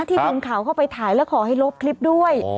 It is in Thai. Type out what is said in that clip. ทีมข่าวเข้าไปถ่ายแล้วขอให้ลบคลิปด้วย